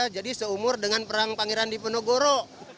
jadi seumur dengan perang pangeran di penogoro